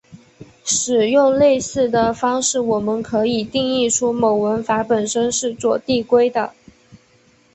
使用类似的方式我们可以定义出某文法本身是左递归的。